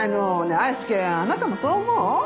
愛介あなたもそう思う？